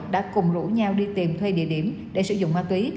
đã cùng rủ nhau đi tìm thuê địa điểm để sử dụng ma túy